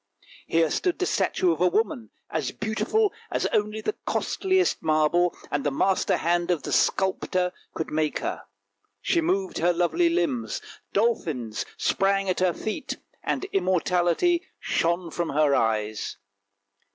Here stood the statue of a woman, as beautiful as only the costliest marble and the master hand of the sculptor could make her ; she moved her lovely limbs, dolphins sprang at her feet, and immortality shone from her eyes.